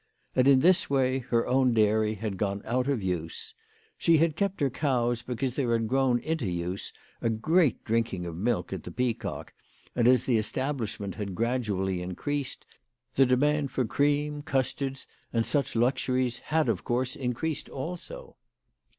And in this way her own dairy had gone out of use. She had kept her cows because there had grown into use a great drinking of milk at the Peacock, and as the establishment had gradually increased, the demand for cream, custards, and such luxuries had of course increased also.